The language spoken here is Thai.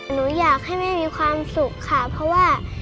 หนูอยากให้แม่มีความสุขค่ะเพราะว่า